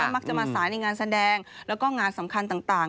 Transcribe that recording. มักจะมาสายในงานแสดงแล้วก็งานสำคัญต่าง